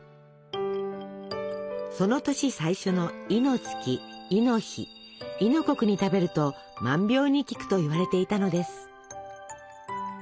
その年最初の亥の月亥の日亥の刻に食べると「万病に効く」といわれていたのです。